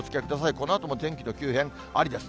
このあとも天気の急変ありです。